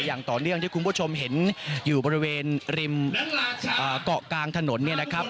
อย่างต่อเนื่องที่คุณผู้ชมเห็นอยู่บริเวณริมเกาะกลางถนนเนี่ยนะครับ